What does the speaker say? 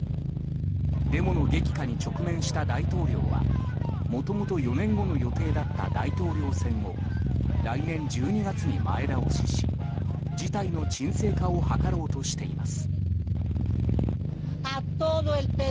デモの激化に直面した大統領はもともと４年後の予定だった大統領選を来年１２月に前倒しし事態の鎮静化を図ろうとしています。